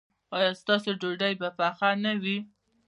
ایا ستاسو ډوډۍ به پخه نه وي؟